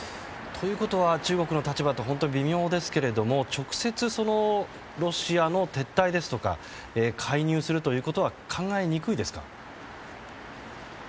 ということは中国の立場って本当は微妙ですけれども直接、ロシアの撤退ですとかに介入するということは考えにくいですか。